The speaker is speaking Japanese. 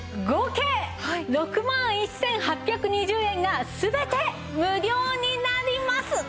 合計６万１８２０円が全て無料になります。